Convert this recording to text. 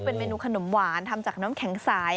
เป็นเมนูขนมหวานทำจากน้ำแข็งสาย